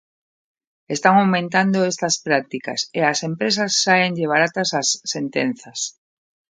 Están aumentando estas prácticas e ás empresas sáenlle baratas as sentenzas.